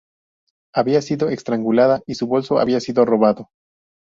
Había sido estrangulada y su bolso había sido robado.